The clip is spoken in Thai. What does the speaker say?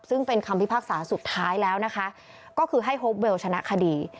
ซึ่งเป็นคำพิพากษาสุดท้ายแล้วนะคะก็คือให้โฮปเวลชนะคดี